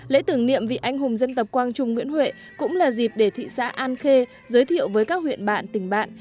lễ tưởng niệm vị anh hùng dân tộc quang trung nguyễn huệ cũng là dịp để thị xã an khê giới thiệu với các huyện bạn tỉnh bạn